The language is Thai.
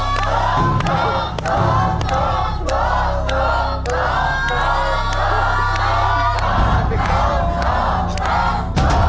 ขึ้นอยู่กับคำตอบเรื่องนี้